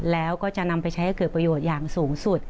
แล้วก็จะนำไปใช้ให้เกิดประโยชน์อย่างสูงสุด